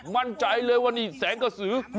มั่นใจเลยว่านี่แสงกระสือ